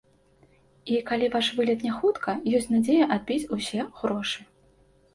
І калі ваш вылет не хутка, ёсць надзея адбіць усе грошы.